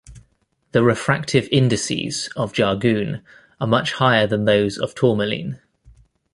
The refractive indices of jargoon are much higher than those of tourmaline.